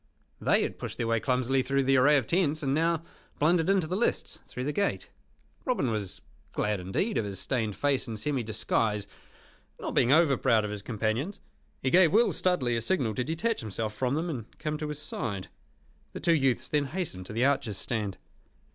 They had pushed their way clumsily through the array of tents, and now blundered into the lists through the gate. Robin was glad indeed of his stained face and semi disguise, not being over proud of his companions. He gave Will Stuteley a signal to detach himself from them, and come to his side. The two youths then hastened to the archers' stand.